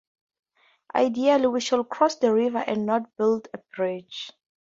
Ideally, we should cross the river and not build a bridge.